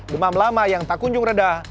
demam lama yang tak kunjung reda